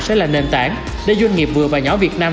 sẽ là nền tảng để doanh nghiệp vừa và nhỏ việt nam